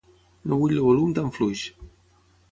No vull el volum tan fluix.